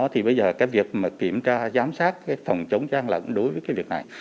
thì bây giờ cái việc kiểm tra giám sát phòng chống trang là đối với cái việc này